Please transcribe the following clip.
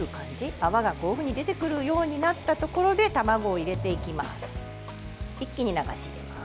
泡がこういうふうに出てくるようになったところで卵を入れていきます。